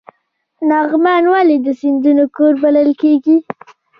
لغمان ولې د سیندونو کور بلل کیږي؟